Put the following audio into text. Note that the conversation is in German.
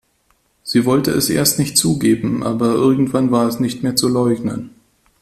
Sie wollte es erst nicht zugeben, aber irgendwann war es nicht mehr zu leugnen.